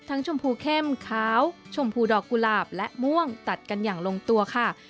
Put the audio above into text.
ชมพูเข้มขาวชมพูดอกกุหลาบและม่วงตัดกันอย่างลงตัวค่ะ